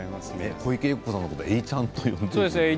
小池栄子さんのことは栄ちゃんと呼んでるんですね。